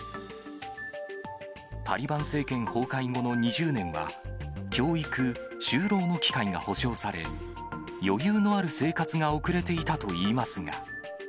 タリバン政権崩壊後の２０年は、教育・就労の機会が保障され、余裕のある生活が送れていたといいますが。